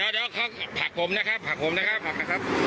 ท่านก็แล้วนะครับ